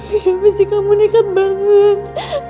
bidang pasti kamu nekat banget